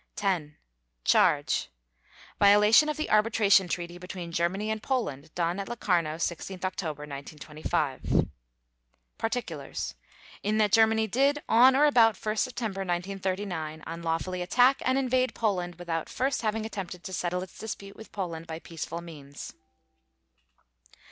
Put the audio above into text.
X CHARGE: Violation of the Arbitration Treaty between Germany and Poland, done at Locarno, 16 October 1925. PARTICULARS: In that Germany did, on or about 1 September 1939, unlawfully attack and invade Poland without first having attempted to settle its dispute with Poland by peaceful means.